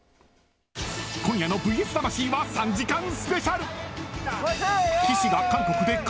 今夜の「ＶＳ魂」は３時間スペシャル。